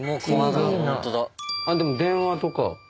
でも電話とか。